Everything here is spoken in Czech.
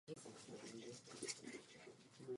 Stanice je povrchová.